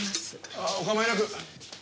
ああお構いなく。